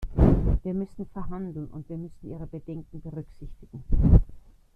Wir müssen verhandeln, und wir müssen ihre Bedenken berücksichtigen.